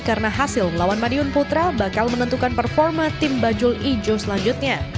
karena hasil melawan madiun putra bakal menentukan performa tim bajul ijo selanjutnya